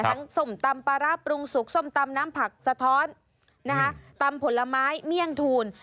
ส้มตำปลาร้าปรุงสุกส้มตำน้ำผักสะท้อนนะคะตำผลไม้เมี่ยงทูล